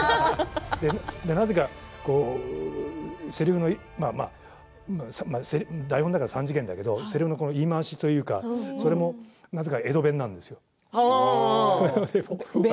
なぜか、せりふの台本だから三次元だけど言い回しというか江戸弁なんですよね。